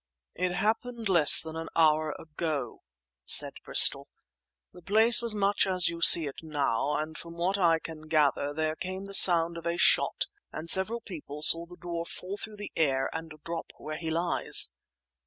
"It happened less than an hour ago," said Bristol. "The place was much as you see it now, and from what I can gather there came the sound of a shot and several people saw the dwarf fall through the air and drop where he lies!"